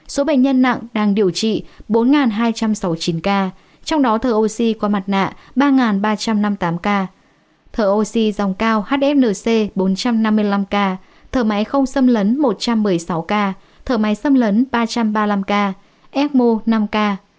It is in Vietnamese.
số bệnh nhân nặng đang điều trị bốn hai trăm sáu mươi chín ca trong đó thở oxy qua mặt nạ ba ba trăm năm mươi tám ca thở oxy dòng cao hfnc bốn trăm năm mươi năm ca thở máy không xâm lấn một trăm một mươi sáu ca thở máy xâm lấn ba trăm ba mươi năm ca emo năm ca